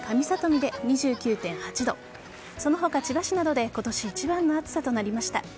見で２９．８度その他、千葉市などで今年一番の暑さとなりました。